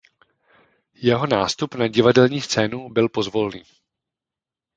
Jeho nástup na divadelní scénu byl pozvolný.